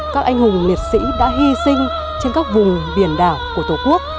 các anh hùng liệt sĩ đã hy sinh trên các vùng biển đảo của tổ quốc